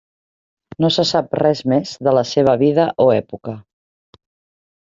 No se sap res més de la seva vida o època.